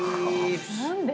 何で？